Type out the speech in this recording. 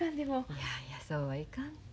いやいやそうはいかんて。